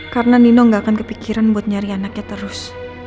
karena nino gak akan kepikiran buat nyari anaknya terus